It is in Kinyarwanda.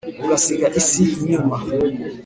ugasiga isi inyuma